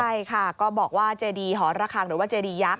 ใช่ค่ะก็บอกว่าเจดีหอระคังหรือว่าเจดียักษ